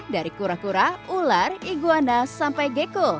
dari kura kura ular iguana sampai geko